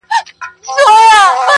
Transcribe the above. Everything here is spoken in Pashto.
د نغمو آمیل په غاړه راغلم یاره,